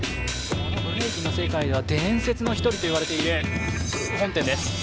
このブレイキンの世界では伝説の選手といわれています。